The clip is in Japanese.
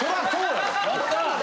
やったぁ！